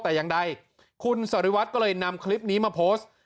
แต่อย่างใดคุณสริวัตรก็เลยนำคลิปนี้มาโพสต์